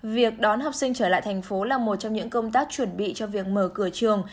việc đón học sinh trở lại thành phố là một trong những công tác chuẩn bị cho việc mở cửa trường